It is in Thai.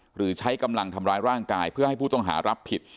หรือใช้กำลังทำร้ายร่างกายเพื่อให้ผู้ต้องหารับผิด